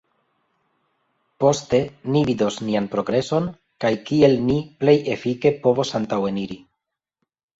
Poste ni vidos nian progreson kaj kiel ni plej efike povos antaŭeniri.